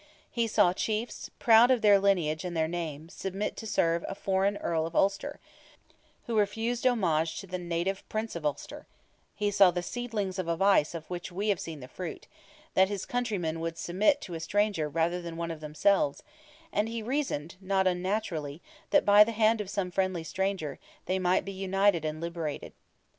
He saw chiefs, proud of their lineage and their name, submit to serve a foreign Earl of Ulster, who refused homage to the native Prince of Ulster; he saw the seedlings of a vice of which we have seen the fruit—that his countrymen would submit to a stranger rather than to one of themselves, and he reasoned, not unnaturally, that, by the hand of some friendly stranger, they might be united and liberated.